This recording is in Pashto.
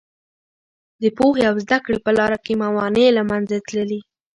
د پوهې او زده کړې په لاره کې موانع له منځه تللي.